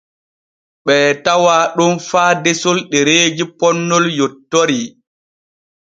Ɓee tawaa ɗon faa desol ɗereeji ponnol yontori.